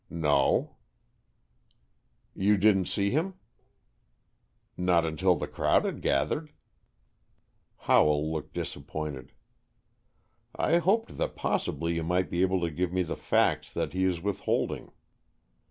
"No." "You didn't see him?" "Not until the crowd had gathered." Howell looked disappointed. "I hoped that possibly you might be able to give me the facts that he is withholding."